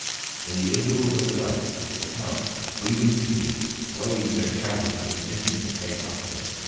In the intervals of the dance the count, breathing deeply, waved and shouted to the musicians to play faster.